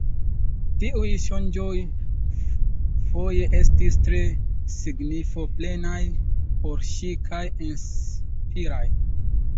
Tiuj sonĝoj foje estis tre signifo-plenaj por ŝi kaj inspiraj.